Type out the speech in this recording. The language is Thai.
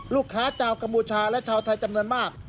ลูกค้าเจ้ากัมพูชาและเจ้าไทยจำนวนมาก